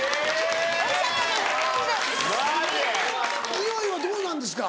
においはどうなんですか？